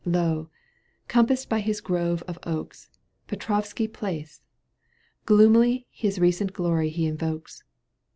Lo ! compassed by his grove of oaks, Petr6vski Palace I Gloomily His recent glory he invokes.